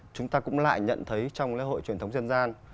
chúng ta cũng lại nhận thấy trong lễ hội truyền thống dân gian